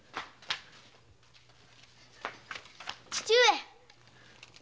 父上！